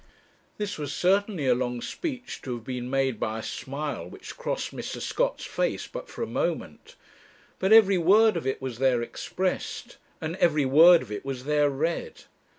This was certainly a long speech to have been made by a smile which crossed Mr. Scott's face but for a moment, but every word of it was there expressed, and every word of it was there read.